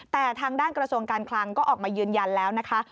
แต่ทางด้านกระทรวงการคลังก็ออกมายืนยันแล้วนะคะ